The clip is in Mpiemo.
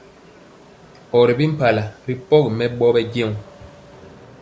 Or ri bi mpala ri pɔgi mɛbɔ bejɛɔ.